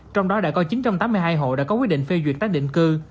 trong đó đã có chín trăm tám mươi hai hộ đã có quyết định phê duyệt tác định cư